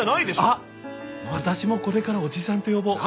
あっ私もこれからおじさんと呼ぼう。